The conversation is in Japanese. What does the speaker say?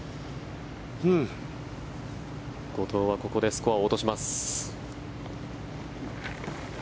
後藤はここでスコアを落とします。